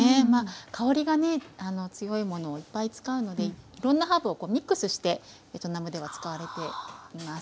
香りがね強いものをいっぱい使うのでいろんなハーブをミックスしてベトナムでは使われています。